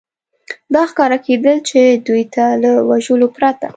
دا ښکاره کېدل، چې دوی ته له وژلو پرته.